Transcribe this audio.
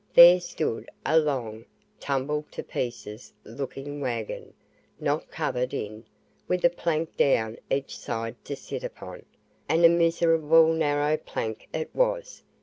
There stood a long, tumble to pieces looking waggon, not covered in, with a plank down each side to sit upon, and a miserable narrow plank it was.